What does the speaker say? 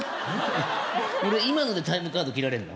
俺今のでタイムカード切られんの？